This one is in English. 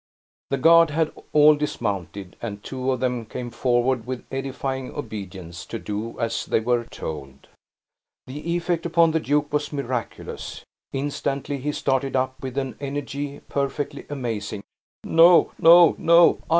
The guard had all dismounted; and two of them came forward with edifying obedience, to do as they were told. The effect upon the duke was miraculous. Instantly he started up, with an energy perfectly amazing: "No, no, no!